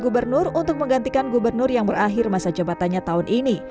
gubernur untuk menggantikan gubernur yang berakhir masa jabatannya tahun ini